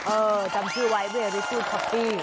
เออจำชื่อไว้เวรี่กูดคอฟฟี่